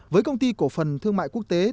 với công ty cổ phần thương mại quốc tế